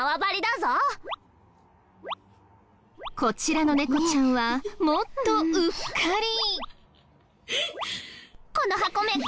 こちらの猫ちゃんはもっとうっかり！